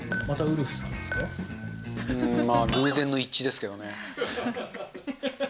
うーん、まあ、偶然の一致ですけどね。